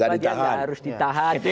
ya harus ditahan